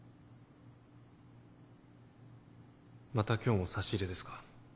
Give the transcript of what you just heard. また今日も差し入れですか？